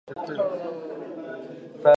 ادب د روح غذا ده.